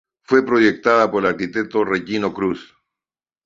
Fue proyectada por el arquitecto Regino Cruz.